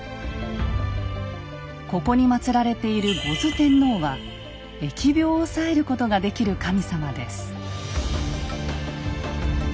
ここに祭られている牛頭天王は疫病を抑えることができる神様です。